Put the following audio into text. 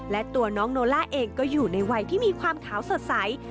และตัวน้องโนล่าเองก็อยู่ในวัยที่มีความขาวสดใส